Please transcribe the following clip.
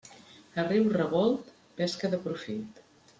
A riu revolt, pesca de profit.